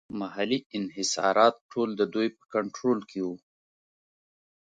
محلي انحصارات ټول د دوی په کنټرول کې وو.